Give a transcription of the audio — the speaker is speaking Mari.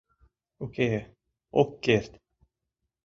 Уке, ок керт!..